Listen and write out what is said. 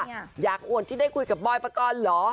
ความได้ว่าอยากอวนที่ได้คุยกับบอยปกรณ์เหรอ